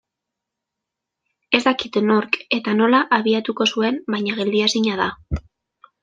Ez dakit nork eta nola abiatuko zuen baina geldiezina da.